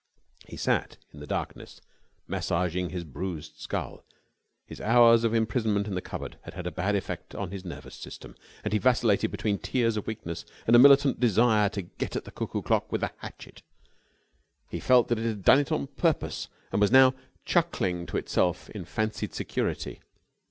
He sat in the darkness, massaging his bruised skull. His hours of imprisonment in the cupboard had had a bad effect on his nervous system, and he vacillated between tears of weakness and a militant desire to get at the cuckoo clock with a hatchet. He felt that it had done it on purpose and was now chuckling to itself in fancied security.